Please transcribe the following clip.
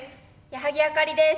矢作あかりです。